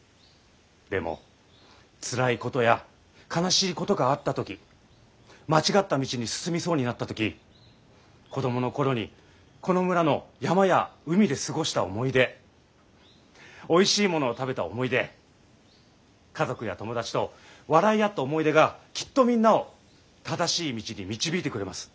でもつらいことや悲しいことがあった時間違った道に進みそうになった時子供の頃にこの村の山や海で過ごした思い出おいしいものを食べた思い出家族や友達と笑い合った思い出がきっとみんなを正しい道に導いてくれます。